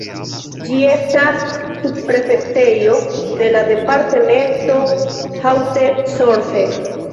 Ĝi estas subprefektejo de la departemento Haute-Corse.